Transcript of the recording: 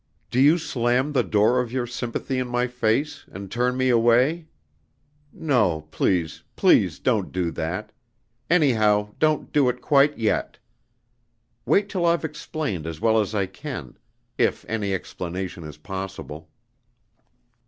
Do you slam the door of your sympathy in my face, and turn me away? No, please, please don't do that anyhow don't do it quite yet. Wait till I've explained as well as I can if any explanation is possible.